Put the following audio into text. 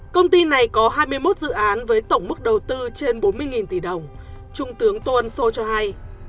công ty này có hai mươi một dự án với tổng mức đầu tư trên bốn mươi tỷ đồng trung tướng tô ân sô cho hay